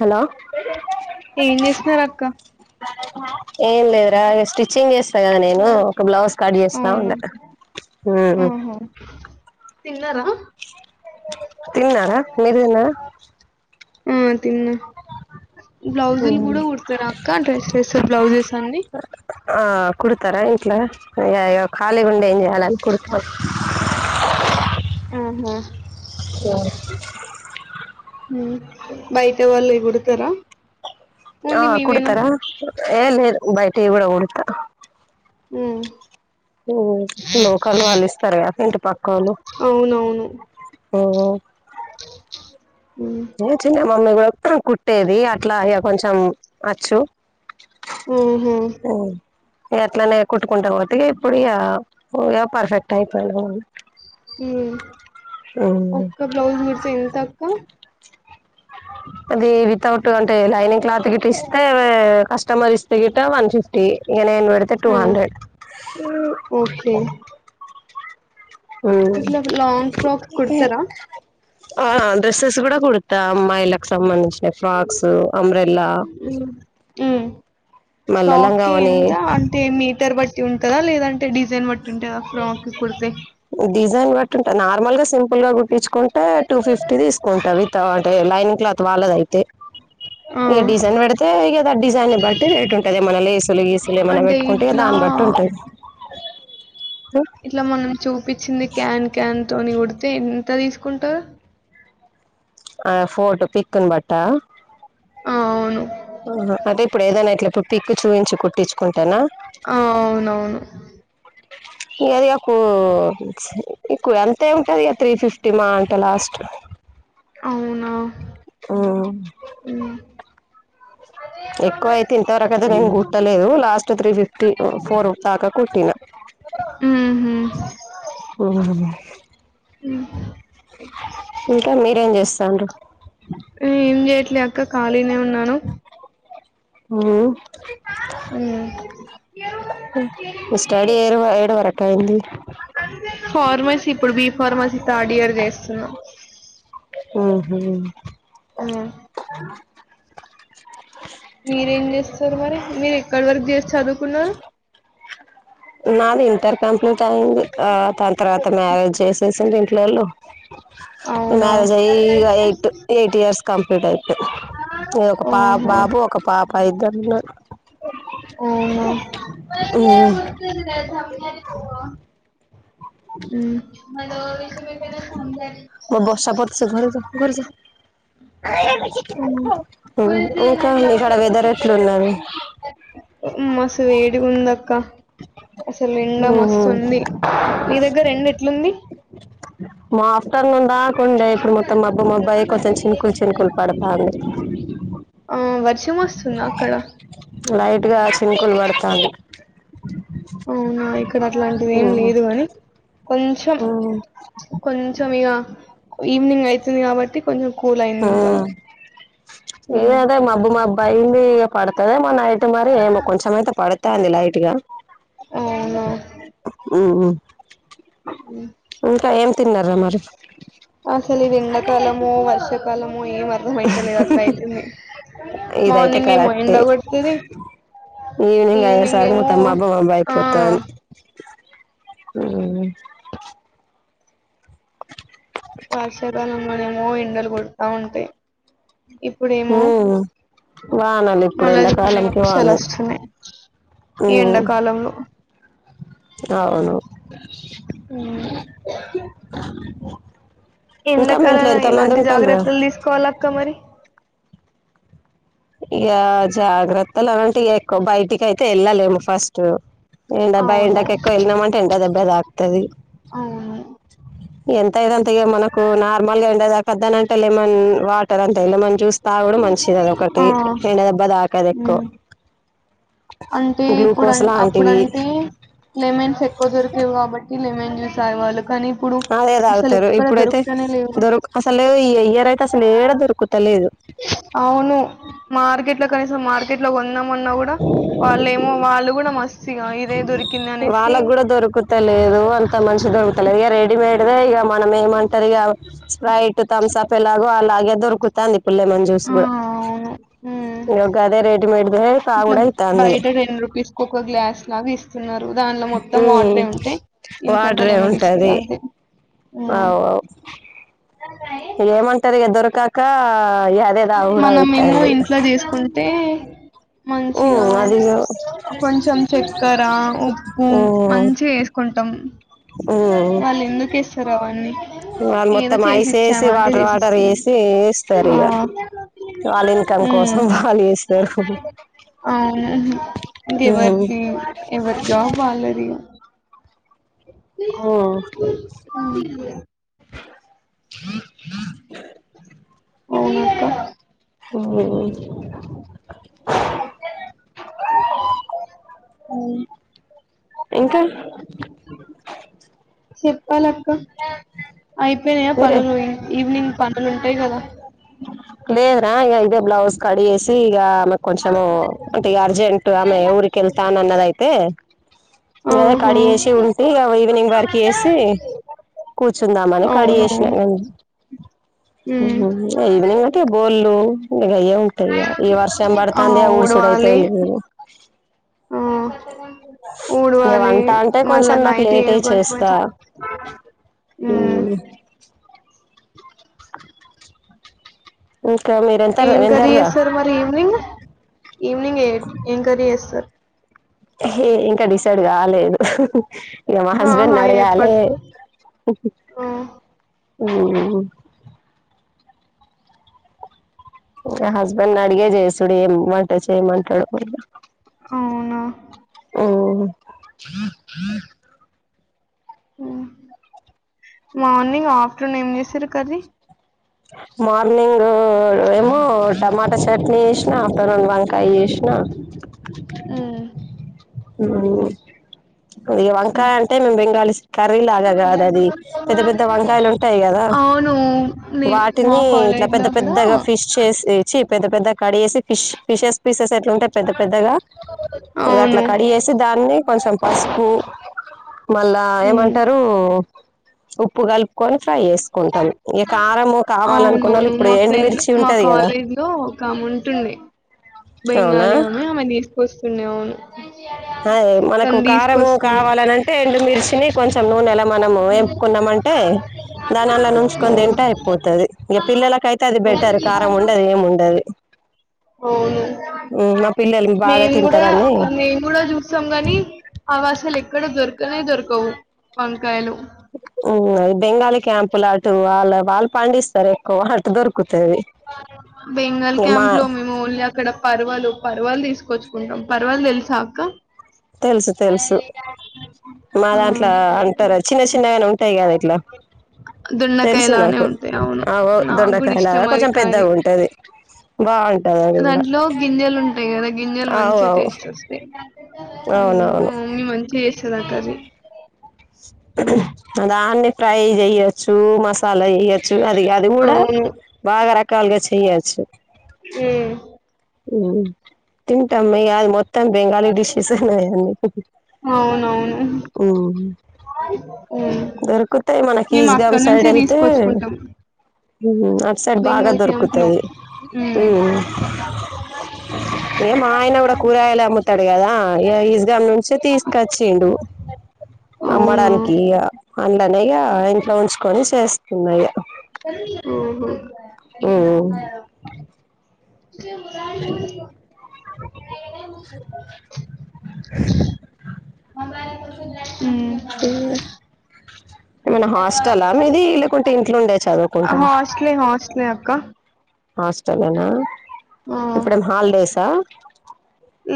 Hello ఏం చేస్తున్నారు అక్క ఏమ్ లేదు రా స్టిచ్చింగ్ చేస్తా కదా నేను ఒక బ్లౌజ్ కట్ చేసిన అవునా ఉండ ఉ ఉ ఆహా తిన్నారా తిన్నారా మీర్ తిన్నారా ఉ తిన్న బ్లౌజులు కూడా కుడతారా అక్క డ్రెస్సెస్ బ్లౌజెస్ అన్ని అయ్యయో ఖాలీగా ఉండి ఏం చే కలాలు కుడుత ఆహా కో ఉ బయట వాళ్ళు ఇవి కుడుతారా ఆ కుడతారా ఏం లేదు బయటివి కూడా కుడత ఉ ఉ లోకాలు వాళ్ళ ఇస్తారట పెంట అవునవును ఓ ఉమ్. ఏ చినం మమ్మీ కూడా కుట్టేది అట్లా ఇ కొంచెం వచ్చు ఉ హుమ్ ఎట్లనే కుట్టుకుంటా పోతే ఇప్పుడు ఇయ్య పర్ఫెక్ట్ అయిపోయింది ఉమ్ ఉమ్ ఒక్క బ్లౌజ్ కుడితే ఎంత అక్క అది వితౌట్ అంటే లైనింగ్ క్లాత్ గిట్ట ఇస్తే కస్టమర్ ఇస్తే గిట్ట వన్ ఫిఫ్టీ ఇ ఏను పెడితే టూ ఆ హండ్రెడ్ ఓకే ఇట్లా లాంగ్ ఫ్రక్స్ కుడతరా ఆ డ్రెస్సెస్ కూడా కుడతా అమ్మాయిలకి సంబధించి ఫ్రాక్స్ అంబ్రెల్లా ఉమ్ మళ్ళా లంగావోని పట్టి ఉంటందా లేదంటే డిజైన్ బట్టి ఉంటుందా ఫ్రాక్ కుడితే డిజైన్ బట్టి ఉంటా నార్మల్ గా సింపుల్ గా గుట్టించుకుంటే టూ ఫిఫ్టీ తీసుకుంటా విత్ అంటే లైనింగ్ క్లాత్ వాళ్ళది అయి తే ఆ ఇక డిజైన్ పెడితే ఇకా డిజైన్ని బట్టి రేట్ ఉంటది ఏమన్నా లేసులు గీసులు ఏమైన్నా అంటే పెట్టుకుంటే ఇట్లా దాన్ని బట్టి ఉంటది ఇట్లా మన చూ పిచ్చింది కన్ కన్తోని పడితే ఎంత తీసుకుంటారు ఆ ఫోటో పిక్న్ బట్టా ఆ అవును అహా అంటే ఇప్పుడు ఏదైనా ఇట్లా ఇప్పు పిక్ చూయిించి కుట్టించుకుంటానా ఆ అవునవును ఇ అదికు ఇకు ఎంతే ఉంటుది ఇ త్రీ ఫిఫ్టీ మా అంటే లాస్ట్ అవునా ఓమ్ ఉమ్ ఎక్కువయితే ఇంతవరకదా నేను కుట్టలేదు లాస్ట్ త్రీ ఫిఫ్టీ మ్ ఫోర్ దాకా కుట్టినా ఉహు మ్మ్ హ్మ్. మ్మ్ ఇంకా మీరేం జేస్సండ్రు ఏం జేయట్లే అక్క ఖాళీనే ఉన్నాను హుం హ స్టడీ ఏడు ఏడు వరక్ టైంది ఫార్మాసీ థార్డియరు చేస్తున్నా ఉహు ఆ అ మీరేం చేస్తారు మరి మీరు ఎక్కడ వర్క్ చేసి చదువుకున్నారు నాది ఇంటర్ కంప్లీట్ అయింది ఆ తంత్ర తను యాదో చేసేసండి ఇంట్లోళ్ళు అవునా మ్యారేజ్ అయి ఇగ ఎయిట్ ఎయిట్ ఇయర్స్ కంప్లీట్ అయి కె ఒక పా ఓహో బాబు ఒక పాప్ పైదర్లు వునా ఉమ్ [unintelligible] నువ్వు మ్ [unintelligible] గురిజా ఉమ్ ఇంకా ఇక్కడ వెదర్ ఎట్లున్నది మస్తు వేడి గ ఉందక్క అసలు ఎండా ఉహు మస్తు ఉంది మీ దగ్గర ఎండ ఎట్లుంది మా ఆఫ్టర్నూన్ దా కుండే ఇప్పుడు మొత్తం మబ్బు మబ్బాయి కొంచెం చినుకులు చినుకులు పడతాంది ఆ వర్షం వస్తుందా అక్కడ లైట్గా చినుకులు పడతాంది అవునా ఇక్కడ అట్లాంటిది ఏమి ఉమ్ లేదు కాని కొంచెం కొంచెం ఇగ ఈవినింగ్ అయితుంది కాబట్టి కొంచెం కూల్ అయింది ఆ ఇంకా ఉమ్ ఏదాదే మబ్బు మాబ్బ బైంది పడుతదేమో నైట్ రే మో కొంచెమైతే పడత తంది లైట్ గా అవునా ఉమ్ ఇంకా ఏం తిన్నర మరి ఆసలు ఇది ఎండ కాలమో వర్ష కాలం మో ఏం అర్థం అయితలేదు అట్లా అయితుంది ఇదైతే మార్నింగ్ ఏమో ఎండ కరెక్టే కొడుతది ఈవినింగ్ అయ్యేసరికి ఏమో మొత్తం ఆ ఉం వర్షాకాలంలనేమో ఎండలు కొడతా ఉంటాయి ఊ ఇప్పుడేమో వానలు ఇప్పు మళ్ళా ఎండ చూడని కాలంకే వర్షాలు వానల్ వస్తున్నాయి ఈ ఎండాకాలంలో అవును ఉమ్. ఎండా ఇంకా మీ కాలం ఇంట్లో ల ఎంత మంది ఎలాంటి ఉంటాల్రా జాగ్రత్తలు తీసుకోవాలి అక్క మరి ఇగ జాగ్రత్తలు అంటే ఎక్కువ బయటికి అయితే వెళ్ళలేము ఫస్ట్ ఎండబ అవును ఎండా ఎక్కవ ఎలినమంటే ఎండ దెబ్బ త తది అవును ఎంతయితంత ఇగ మనకు నార్మల్ గా ఎండ తాకద్దానంటే లెమన్ వాటర్ అంతే లెమన్ జ్యూస్ తాగుడు మంచిది అదో ఆ తే ఎండ దెబ్బ తాకదు ఎక్కు ఉమ్. అంటే ఇప్పుడు లాంటివి అప్పుడంటే లెమెన్స్ ఎక్కువ దొరికేవి కాబట్టి లెమన్ జ్యూస్ తాగేవాళ్ళు కాని ఇప్ అదేతాగుతరు ఇప్పుడైతే లేవు దొరుకు అసలు ఈ ఇయర్ అయితే అసలు ఏడ దొరుకుత లేదు ఇట్ల కనీసం మార్కేట్ లో కొందామన్నా కూడా ఏమో వాళ్ళు కూడా మస్తు ఇగ ఇదే దొరికింది అనేసి వాళ్ళకు కూడా దొరకుతలేదు అంత మంచిగ దొరకుతలేదు ఇగ రెడిమేడ్ దే ఇగ మనం ఏమ టరిగ స్ప్రైట్ థంబ్స్ అప్ ఎలాగు అలాగే దొరుకుతాంది ఇప్పుడు లెమన్ జ్యూస్ ఆ కూడా అవును ఉమ్ ఇగొ గదే రెడీమేడ్ దె ఇట్లా తాగుడు అయితంది ఇగ బయట టెన్ రూపీస్ కు ఒక గ్లాస్ లాగా ఇస్తున్నరు దానిలో మొత్తం వాటరే ఉంటయి ఇంతెంత వాటరే లేమన్ ఇస్తరు ఉంటది అంతే ఉమ్. అవు అవు [unintelligible] ఏమంటారు ఇగ దొరకకా మనమేమో ఇంట్లో చేసుకుంటే మంచిగా ఉమ్ అది కొంచెం చక్కెర ఉప్పు ఉమ్ మంచిగా వేసుకుంటాం ఉమ్ వాళ్ళు ఎందుకు వేస్తారు అవన్నీ వాళ్ళు ఏదో మొత్తం చేసి ఐస్ యేసి ఇచ్చామా అంటే వాటర్ వాటర్ చేసిస్తారు వేసి ఇస్తరు ఆ ఇగ ఉమ్ చేస్తారు అవును ఇది ఎవరిది ఎవరి జాబ్ వాళ్ళది ఆమ్ అవు ఓ అవును ఇంకా చెప్పాలక్క అయిపోయినియా మీరే పనులు ఈవినింగ్ పనులు ఉంటయి కదా నా ఇగ ఇదే బ్లౌస్ కడిగేసి ఇగ ఆమె కొంచెము అంటే ఇగా అర్జెంట్ ఆమె ఊరికి వెళ్తా అన్నదైతే లేదా ఆహా కడిగేసి ఉంటే ఈవినింగ్ వర్క్ చేసి కూర్చుందాం అని కడి గేసినా అవునవును ఉమ్ ఉమ్ ఈవినింగ్ అంటే బోల్లు గయే ఉంటయి ఇగ ఈ వర్షం ఆ పడుతంది ఊడ్చుడయితనే ఊడవాలి లేదు ఆ ఇగ ఊడవాలి వంటా అంటే మళ్ళా కొంచెం నాకు నైట్ లేటే ఏం చేస్తా కొంచెమైతే ఉమ్ అమ్ ఏం కర్రి చేస్తారు మరి ఈవినింగ్ ఈవినింగ్ ఎ ఎం కర్రి చేస్తారు ఏ ఇంకా డిసైడ్ కాలేదు ఇక మా హస్బెండ్ ఆహా ని అడగాలే ఎప్పటి ఆ అమ్ హస్బెండ్ ని అడిగే చేస్తుడు ఏం వంట చెయి మాంటాడో అవునా ఆమ్ ఉమ్ మార్నింగ్ ఆఫ్టర్నూన్ ఏం చేశారు కర్రి మార్నింగ్ ఏమో టమాటా చట్నీ ఇంకా అఫ్టర్నూన్ వంకాయ్ చేసి నా ఉమ్ మ్మ్ అది వంకాయ అంటే మే బంగాళి కర్రీ లాగా కాద అది పెద్ద పెద్ద వంకాయలు ఉంటాయి కదా అవును నే మా వాటిని ఇట్లా కాలేజ్ లో పెద్ద కూడా పెద్దగా ఫిష్ చేసి చిప్ పెద్ద పెద్ద కాడి వేసి ఫిష్ ఫిషెస్ పీసెస్ ట్లుంటాయి పెద్ద పెద్దగా అట్లా అవును కడి చేేసి దాన్ని కొంచెం మళ్ళా ఉమ్. ఏమంటారు ఉప్పు కల్పుకోని ఫ్రై చేసుకుంటాం ఇక కారము కావాలనుకున్న వాళ్ళు అవునవును ఇప్పుడు మా ఫ్రెండ్ ఎండుమిర్చి మా ఉంటది కదా కాలేజ్ లో ఒక ఆమె ఉంటుండే బెంగాలీ అమె అమ్మో తీసుకొచ్ [inaudible] అ మనకు కారము కావాలనింటే రండు మీరు చినీ కొంచం నూ నెలా మనం ఎంపుకున్నామంటే దానిల్ల నుంచుకొని ఓ. తింటే అయిపోతది ఇంక పిల్లలక అైతే అది బెటర్ కారం ఉండదు ఏమ్ ఉండదు అవును మా పిల్లలు బాగా మేము కూడా తింటారని మేము కూడా చూస్తాం కానీ అవాస్ అసల ఎక్కడ దొరకనే దొరకవు వం అది బెంగాలీ క్యాంపు లాటు వాళ్ళ వాల్ పండిస్తారు ఎక్కువ ఆటు దొరుకుతుంది బెంగాల్ క్యాంప్ లో మేము ఓన్లీ అక్కడ పర్వలో పర్వాల తీసుకొచ్చుకుంటాం పర్వాల తెలుసా అక్క తెలుసు తెలుసు మా ఆ దాంట్లో అంటారు చిన్న చిన్నగానే ఉంటాయి కదా ఇట్లా తెలుసు దొండకాయలానే నాకు ఉంటాయి అవును ఆవో నాకు కూడా దొండకాయలాగా ఇష్టం అది కొంచెం కారీ పెద్దగా ఉంటది వావ్ దాంట్లో గింజలు ఉంటా అదే కదా గింజలు అవు మంచిగా అవు టేస్ట్ వస్తాయి హ్మ్ అవునవును మా మమ్మీ మంచిగా చెస్ చాలా కర్రీ మ్మ్ అదా అనే ఫ్రై చేయచ్చు మసాలా చేయచ్చు అది అది కూడా అవును బాగా ర కలువ చేయొచ్చు మ్మ్ మ్మ్ తింటామ్ ఈయలమాత్ మొత్తం బెంగాలీ డిషెస్ ఉన్నాయాన్న అవునవును హ్మ్ మ్మ్ దొరుకుతాయి మేము అక్కడ మనకిజగామ్ సైడ్ నుంచే వెళ్తే తీసుకొచ్చుకుంటాం హ్మ్ అటు సైడ్ బాగా బెంగాల్ క్యాంప్ లో దొరుకుతది మ్మ్ హ్మ్ ఏ మా ఆయన గూడా కూరగాయలె అమ్ముతాడు కదా ఈజగ నుంచే తీసుకొచ్చిండు అవునా అమ్మడానికి ఇగ అన్లనే ఇగ ఇంట్లో ఉంచుకొని చేస్తున్నా ఇగ హ్మ్ [unintelligible] హ్మ్ ఏమనా హాస్టల్ ఆ మీది లేకుంటే ఇంట్లోండే చదువుకుంటార కా హాస్టల్ ఏనా ఇప్పుడు ఏం హాలిడేసా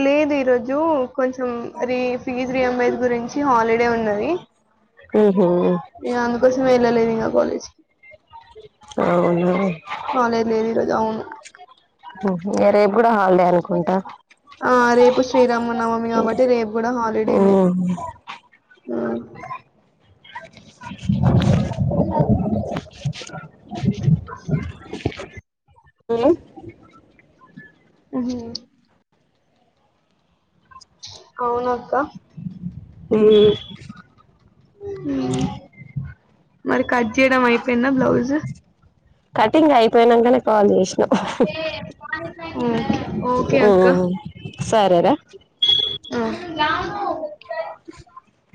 లేదు ఈరోజు కొంచెం రీ ఫీ రీ రియమ్మజ్ గురించి హాలిడే ఉన్నది హ్మ్ హు ఇగ అందుకోసం వెళ్ళలేదు ఇంగా కాలేజ్కి అవునా కాలేజ్ లేదు ఈరోజు అవును హ్మ్ హు రేప్ గు ఆ రేపు శ్రీరామ నవమి కాబట్టి రేపు కూడా హాలిడేనే ఉమ్ ఆ అ ఇలి ఆ అవునక్క ఉమ్ మరి కట్ చేయడం అయిపోయింద బ్లౌజు కటింగ్ అయిపోయినంకనే కాల్ జేస్ ఓకే ఓకే అక్క సరేరా అ ఆ